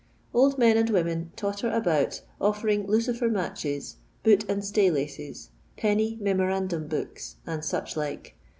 Old men and women totter about offering lucifer matches, boot and stay Uioes, penny memorandum books, and such like.